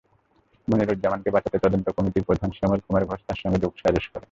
মনিরুজ্জামানকে বাঁচাতে তদন্ত কমিটির প্রধান শ্যামল কুমার ঘোষ তাঁর সঙ্গে যোগসাজশ করেন।